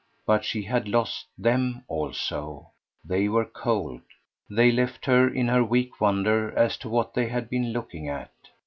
But she had lost THEM also they were cold; they left her in her weak wonder as to what they had been looking at.